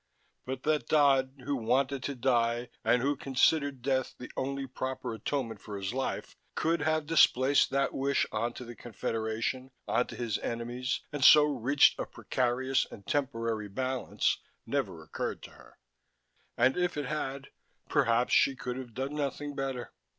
But that Dodd, who wanted to die and who considered death the only proper atonement for his life, could have displaced that wish onto the Confederation, onto his "enemies," and so reached a precarious and temporary balance, never occurred to her. And if it had, perhaps she could have done nothing better